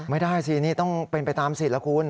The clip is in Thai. ไม่ได้สินี่ต้องเป็นไปตามสิทธิ์แล้วคุณ